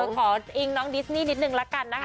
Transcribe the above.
ขออิงน้องดิสนี่นิดนึงละกันนะคะ